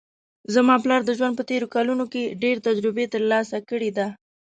زما پلار د ژوند په تېرو کلونو کې ډېر تجربې ترلاسه کړې ده